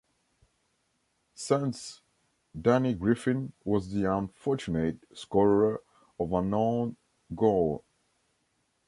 Saints' Danny Griffin was the unfortunate scorer of an own goal.